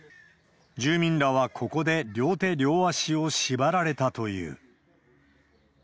住民らはここで両手両足を縛られたという。